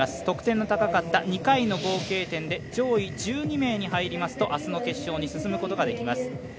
得点の高かった２回の合計点で上位１２名に入りますとあすの決勝に進むことができます。